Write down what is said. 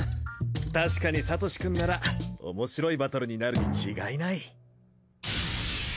確かにサトシくんならおもしろいバトルになるに違いない。